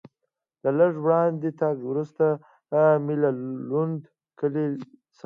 له لږ وړاندې تګ وروسته مې له لوند کلي څخه.